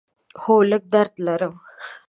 هو، لږ درد لرم